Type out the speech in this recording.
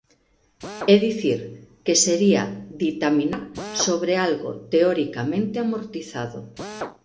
É dicir, que sería ditaminar sobre algo teoricamente amortizado.